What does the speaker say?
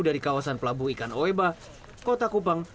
dari kawasan pelabuhan ikan oeba kota kupang